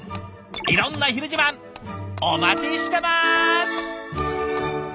いろんな「ひる自慢」お待ちしてます！